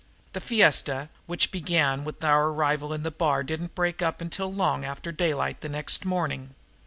The fiesta which began with our arrival in the bar didn't break up until long after daylight the next morning.